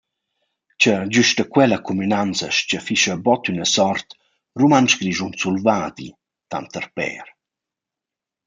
Cha güsta quella cumünanza s-chaffischa bod üna sort «rumantsch grischun sulvadi» tanter pêr.